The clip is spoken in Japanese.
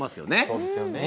そうですよね